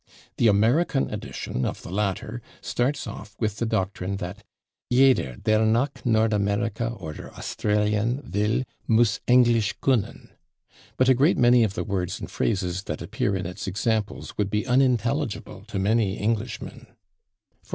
The American edition of the latter starts off with the doctrine that "/Jeder, der nach Nord Amerika oder Australien will, muss Englisch können/," but a great many of the words and phrases that appear in its examples would be unintelligible to many Englishmen /e.